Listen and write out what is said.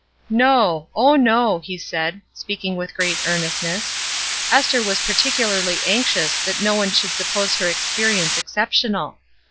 "No; oh, no," he said, speaking with great earnestness. "Ester was particularly anxious that no one should suppose her experience exceptional.